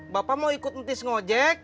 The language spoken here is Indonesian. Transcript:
bapak mau ikut ntis ngejek